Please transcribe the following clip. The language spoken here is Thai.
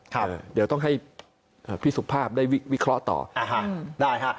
ครับเดี๋ยวต้องให้เอ่อพี่สุภาพได้วิเคราะห์ต่ออ่าฮะได้ครับ